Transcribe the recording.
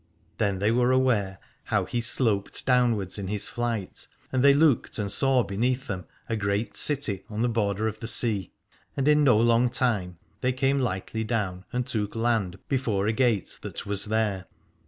Then they were aware how he sloped downwards in his flight, and they looked and saw beneath them a great city on the border of the sea, and in no long time they came lightly down and took land before a gate that was there.